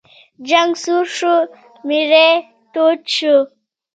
جنګ سوړ شو، میری تود شو.